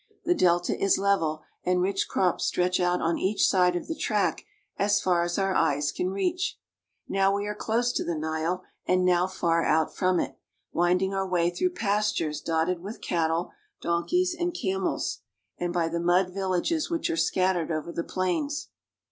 The delta is level, and rich crops stretch out on each side of the track as far as our eyes can reach. Now we are close to the Nile and now far out from it, winding our way through pastures dotted with cattle, donkeys, and camels, and by the mud villages which are scattered over the plains.